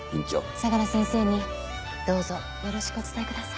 相良先生にどうぞよろしくお伝えください。